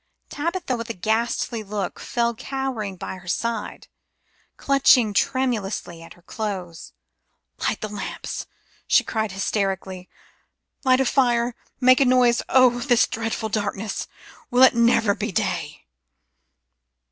Tabitha, with a ghastly look, fell cowering by her side, clutching tremulously at her clothes. "Light the lamps," she cried hysterically. "Light a fire, make a noise; oh, this dreadful darkness! Will it never be day!"